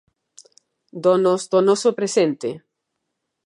Donos do noso presente!